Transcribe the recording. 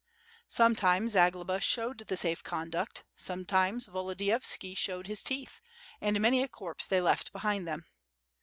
Sometimes Zagloba showed the safe conduct; sometimes Volodiyovski showed his teeth, and many a corpse they left behind them?